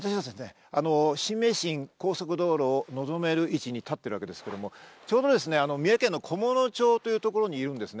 私たちは新名神高速道路を望める位置に立っているわけですけれども、ちょうど三重県の菰野町というところにいるんですね。